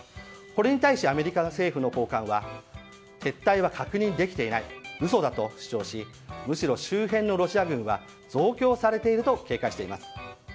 これに対しアメリカ政府の高官は撤退は確認できていない嘘だと主張しむしろ周辺のロシア軍は増強されていると警戒しています。